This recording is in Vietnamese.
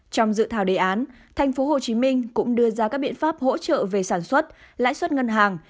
trong dự thảo đề án tp hcm cũng đưa ra các biện pháp hỗ trợ về sản xuất lãi suất ngân hàng